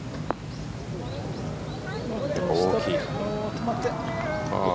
止まって。